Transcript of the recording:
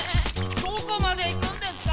どこまで行くんですか？